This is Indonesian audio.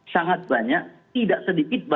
sangat banyak tidak sedikit